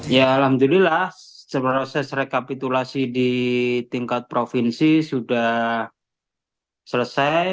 ya alhamdulillah proses rekapitulasi di tingkat provinsi sudah selesai